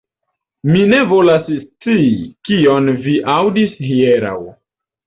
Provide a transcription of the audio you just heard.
Mi ne volas scii, kion vi aŭdis hieraŭ.